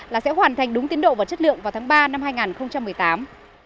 là sẽ hoàn thành đúng tiến độ và chất lượng vào tháng ba năm hai nghìn một mươi tám